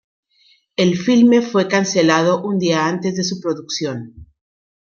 El filme fue cancelado un día antes de su producción.